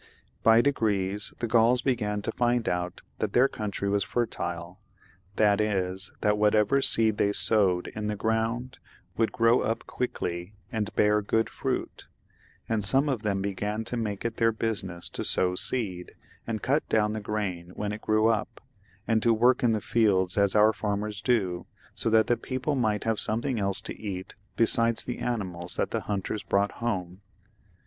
By degrees the Gauls began to find out that their country was fertile; that is, that whatever seed they sowed in the ground would grow up quickly and bear good fruit, and some of them began to make it their business to sow seed, and cut down the grain when it grew up, and to work in the fields as our farmers do, so that the people might have something else to eat besides the animals that the hunters brought home.